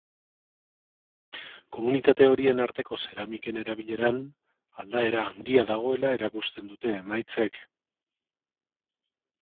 Komunitate horien arteko zeramiken erabileran aldaera handia dagoela erakusten dute emaitzek.